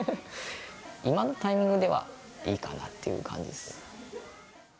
今のタイミングではいいかなっていう感じです。